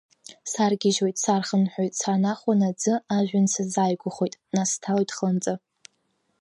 Саргьыжьуеит, сархынҳәуеит, саанахәан аӡы, ажәҩан сазааигәахоит, нас сҭалоит хланҵы.